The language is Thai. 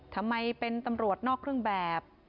ทำไมเป็นตำรวจนอกเครื่องแบบ